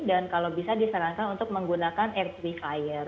dan kalau bisa disarankan untuk menggunakan air free fire